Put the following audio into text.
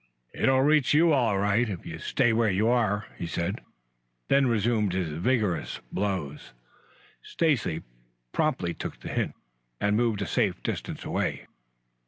"It'll reach you all right, if you stay where you are," he said, then resumed his vigorous blows. Stacy promptly took the hint and moved a safe distance away.